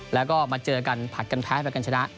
แล้วก็มาเจอกันผลัดกันแพ้ผลัดกันชนะ